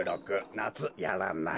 なつやらない。